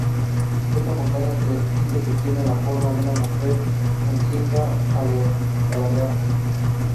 Esta montaña se dice que tiene la forma de una mujer encinta alargada.